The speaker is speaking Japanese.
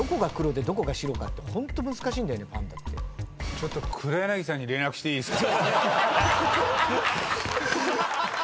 ちょっと黒柳さんに連絡していいですか？